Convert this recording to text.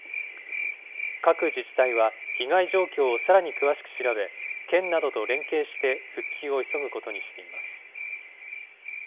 各自治体は被害状況をさらに詳しく調べ、県などと連携して、復旧を急ぐことにしています。